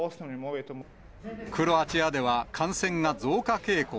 クロアチアでは感染が増加傾向。